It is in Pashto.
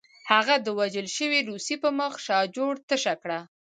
هغه د وژل شوي روسي په مخ شاجور تشه کړه